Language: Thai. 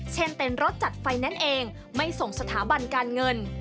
เช่นเต้นรถจัดไฟแนนซ์เองไม่ส่งสถาบันการเงิน